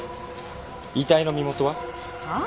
遺体の身元は？はあ？